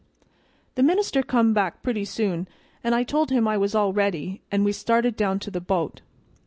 "The minister come back pretty soon, and I told him I was all ready, and we started down to the bo't.